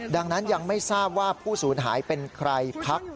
ดังนั้นยังไม่ทราบว่าผู้สูญหายเป็นใครพัก